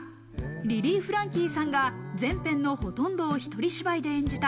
リリー・フランキーさんが全編のほとんどを１人芝居で演じた。